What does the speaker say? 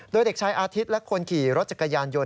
โดยเด็กชายอาทิตย์และคนขี่รถจักรยานยนต